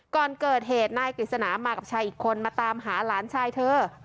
ก่อนเกิดเหตุนายกฤษณามากับชายอีกคนมาตามหาหลานชายเธอ